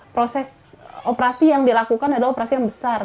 proses operasi yang dilakukan adalah operasi yang besar